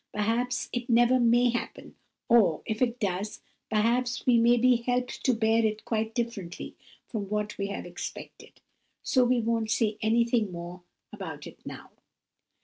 Perhaps it never may happen, or, if it does, perhaps we may be helped to bear it quite differently from what we have expected. So we won't say anything more about it now."